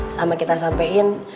sama kita sampein